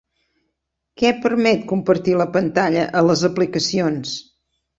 Què permet compartir la pantalla a les aplicacions?